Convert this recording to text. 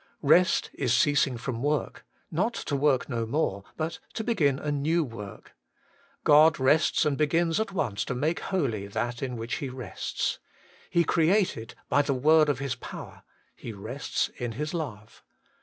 2. Rest is ceasing from worh, not to work no more, but to begin a new work. God rests and begins at once to make holy that in which He rests. He created by the word of His power ; He rests in His love.